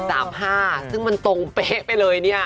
ซึ่งมันตรงเป๊ะไปเลยเนี่ย